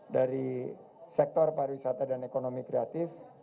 dari sektor pariwisata dan ekonomi kreatif